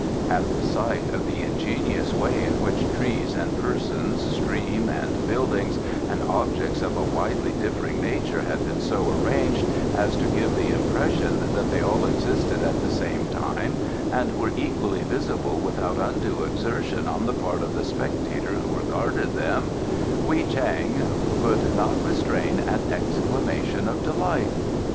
At the sight of the ingenious way in which trees and persons, stream and buildings, and objects of a widely differing nature had been so arranged as to give the impression that they all existed at the same time, and were equally visible without undue exertion on the part of the spectator who regarded them, Wei Chang could not restrain an exclamation of delight.